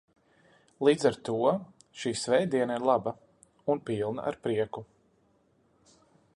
Līdz ar to, šī svētdiena ir laba un pilna ar prieku.